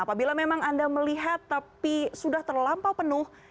apabila memang anda melihat tapi sudah terlampau penuh